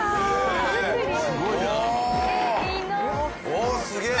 おおっすげえ！